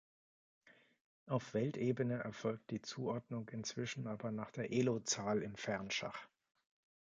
Auf Weltebene erfolgt die Zuordnung inzwischen aber nach der Elo-Zahl im Fernschach.